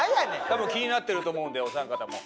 多分気になってると思うんでお三方も。